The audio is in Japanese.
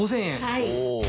はい。